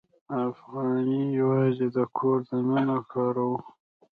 افغانۍ یوازې د کور دننه کاروو.